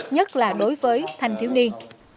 nhất là đối với thanh thiếu niên